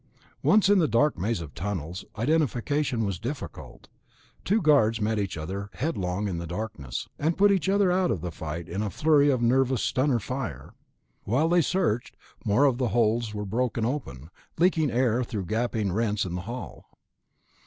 Once in the dark maze of tunnels, identification was difficult. Two guards met each other headlong in the darkness, and put each other out of the fight in a flurry of nervous stunner fire. While they searched more of the holds were broken open, leaking air through gaping rents in the hull....